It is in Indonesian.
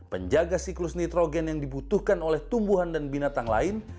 penjaga siklus nitrogen yang dibutuhkan oleh tumbuhan dan binatang lain